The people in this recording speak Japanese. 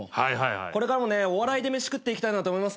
これからもねお笑いで飯食っていきたいなと思いますね。